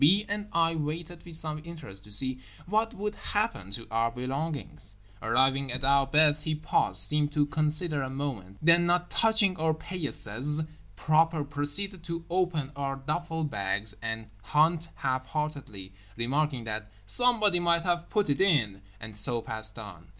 B. and I waited with some interest to see what would happen to our belongings. Arriving at our beds he paused, seemed to consider a moment, then, not touching our paillasses proper, proceeded to open our duffle bags and hunt half heartedly, remarking that "somebody might have put it in;" and so passed on.